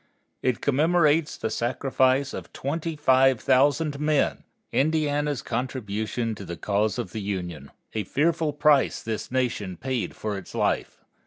It commemorates the sacrifice of twenty five thousand men Indiana's contribution to the cause of the Union. A fearful price this Nation paid for its life.